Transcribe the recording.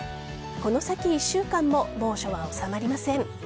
この先１週間も猛暑は収まりません。